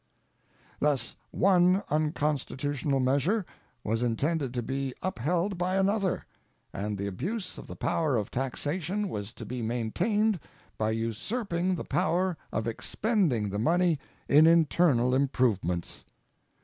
Thus one unconstitutional measure was intended to be upheld by another, and the abuse of the power of taxation was to be maintained by usurping the power of expending the money in internal improvements.